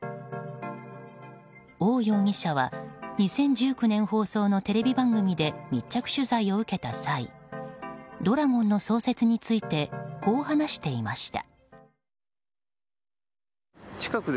オウ容疑者は２０１９年放送のテレビ番組で密着取材を受けた際怒羅権の創設についてこう話していました。